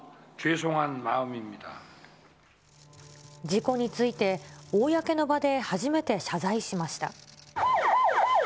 事故について、公の場で初めて謝罪しました。